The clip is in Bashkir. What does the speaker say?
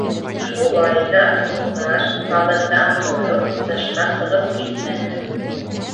Шулай ҙа Юлдаш, табындан тороп, тышҡа сығып китмәне.